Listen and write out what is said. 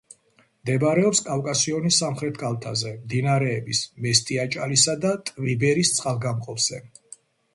მდებარეობს კავკასიონის სამხრეთ კალთაზე, მდინარეების მესტიაჭალისა და ტვიბერის წყალგამყოფზე.